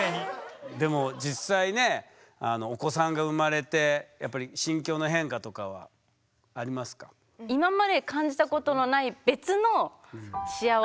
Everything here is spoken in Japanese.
でも実際ねお子さんが生まれてやっぱり心境の変化とかはありますか？っていうものを感じていて。